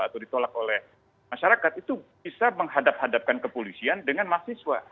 atau ditolak oleh masyarakat itu bisa menghadap hadapkan kepolisian dengan mahasiswa